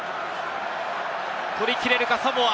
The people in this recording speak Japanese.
取り切れるか、サモア。